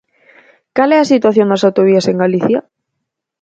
¿Cal é a situación das autovías en Galicia?